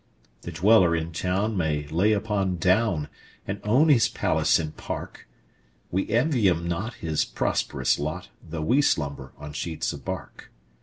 The dweller in town may lie upon down, And own his palace and park:We envy him not his prosperous lot, Though we slumber on sheets of bark.